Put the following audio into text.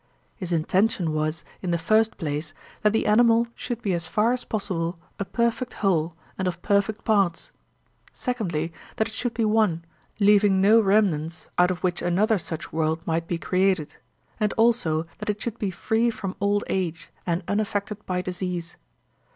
His intention was, in the first place, that the animal should be as far as possible a perfect whole and of perfect parts: secondly, that it should be one, leaving no remnants out of which another such world might be created: and also that it should be free from old age and unaffected by disease.